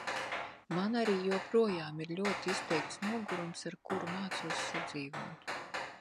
Man arī joprojām ir ļoti izteikts nogurums, ar kuru mācos sadzīvot.